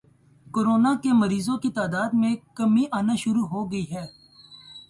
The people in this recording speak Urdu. کورونا کے مریضوں کی تعداد میں کمی آنی شروع ہو گئی ہے